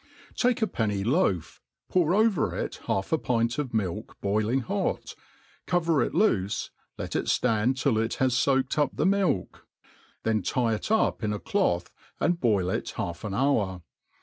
TAKE « ptmw ioaf, pour over it half a pint of atilk botKn^ kot, cover it loijet ^^^^^ ^^^4 uU it has foaked up the milk^ then tie it up in a cloth, and boil it half an hour.